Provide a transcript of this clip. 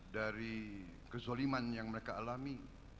dari kesoliman yang mereka alami